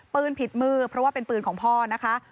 ผิดมือเพราะว่าเป็นปืนของพ่อนะคะ